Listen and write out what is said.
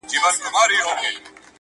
ستا په غوښو دي بلا توره مړه سي,